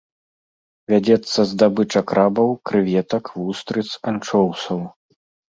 Вядзецца здабыча крабаў, крэветак, вустрыц, анчоўсаў.